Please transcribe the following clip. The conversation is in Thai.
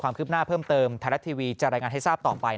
ความคืบหน้าเพิ่มเติมไทยรัฐทีวีจะรายงานให้ทราบต่อไป